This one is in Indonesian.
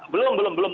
belum belum belum